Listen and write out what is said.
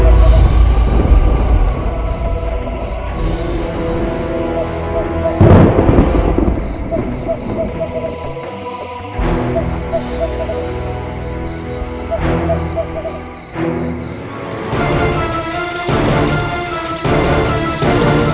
kurasamu sudah takut